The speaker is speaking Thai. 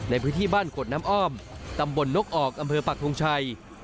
ในพื้นที่บ้านกฎน้ำอ้อมตำบลนกออกอำเภอปักทงชัย